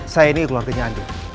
saya ini keluarganya andin